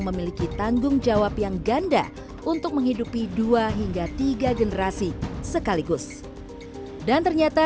memiliki tanggung jawab yang ganda untuk menghidupi dua hingga tiga generasi sekaligus dan ternyata